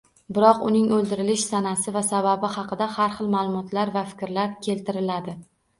Biroq uning oʻldirilish sanasi va sababi haqida har xil maʼlumotlar va fikrlar keltiriladi